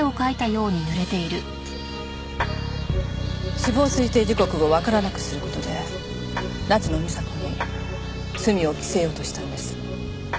死亡推定時刻をわからなくする事で夏野美紗子に罪を着せようとしたんです。